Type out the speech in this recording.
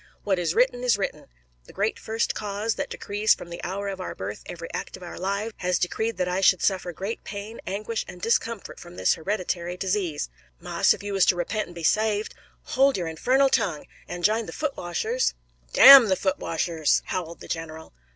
What is written is written. The Great First Cause, that decrees from the hour of our birth every act of our lives, has decreed that I should suffer great pain, anguish, and discomfort from this hereditary disease." "Marse, ef you wuz ter repent an' be saved " "Hold your infernal tongue!" "An' jine de Foot washers " "Damn the Foot washers!" howled the general.